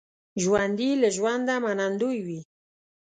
ژوندي له ژونده منندوی وي